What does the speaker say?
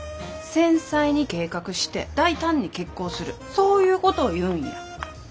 繊細に計画して大胆に決行するそういうことを言うんや。